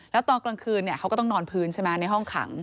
แล้วตอนกลางคืนเขาก็ต้องนอนพื้นใช่ไหมในห้องขัง